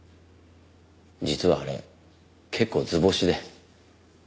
実はあれ結構図星で。